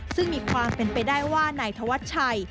ซึ่งมีความเป็นไปได้ว่านายธวัชชัย